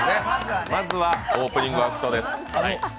まずはオープニングです。